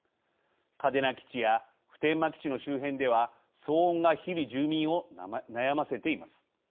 嘉手納基地や普天間基地の周辺では騒音が日々住民を悩ませています。